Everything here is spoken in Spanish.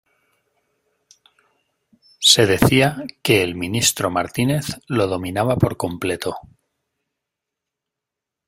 Se decía que el ministro Martínez lo dominaba por completo.